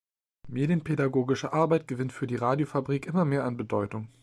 Medienpädagogische Arbeit gewinnt für die Radiofabrik immer mehr an Bedeutung.